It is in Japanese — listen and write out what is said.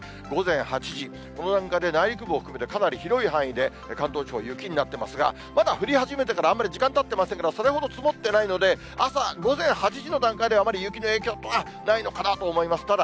午前８時、この段階で内陸部を含めて、かなり広い範囲で関東地方、雪になってますが、まだ降り始めてからあんまり時間たっていませんから、それほど積もってないので、朝、午前８時の段階では、あまり雪の影響はないのかなと思います。